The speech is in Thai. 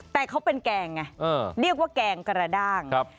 แต่เขาเป็นแกงไงเรียกว่าแกงกระด้าง